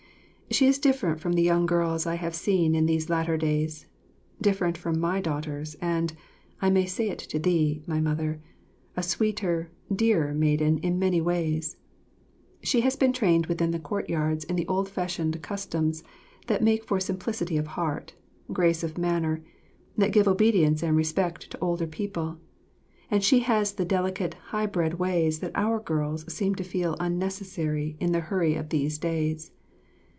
She is different from the young girls I have seen these latter days, different from my daughters, and I may say it to thee, my Mother a sweeter, dearer maiden in many ways. She has been trained within the courtyards in the old fashioned customs that make for simplicity of heart, grace of manner, that give obedience and respect to older people; and she has the delicate high bred ways that our girls seem to feel unnecessary in the hurry of these days.